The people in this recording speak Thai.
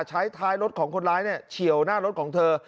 ท้ายรถของคนร้ายเฉียวหน้ารถของเธอ